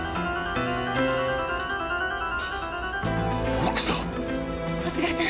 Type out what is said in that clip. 奥さん！